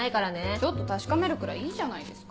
ちょっと確かめるくらいいいじゃないですか。